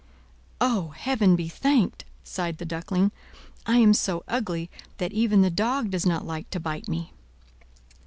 "O, Heaven be thanked!" sighed the Duckling. "I am so ugly, that even the dog does not like to bite me!"